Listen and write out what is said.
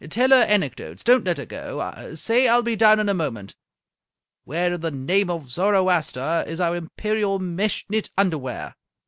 Tell her anecdotes! Don't let her go. Say I'll be down in a moment. Where in the name of Zoroaster is our imperial mesh knit underwear?"